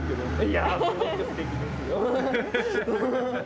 いやすごくすてきですよ。